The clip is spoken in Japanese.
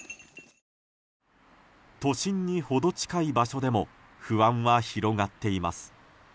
都心にほど近い場所でも不安は広がっています。